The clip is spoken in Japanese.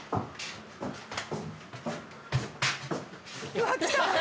うわ来た！